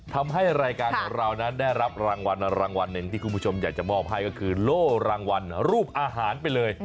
ทำให้รายการของเรานั้นได้รับรางวัลรางวัลหนึ่งที่คุณผู้ชมอยากจะมอบให้ก็คือโล่รางวัลรูปอาหารไปเลย